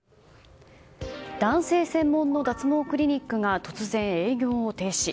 男性専門の脱毛クリニックが突然、営業を停止。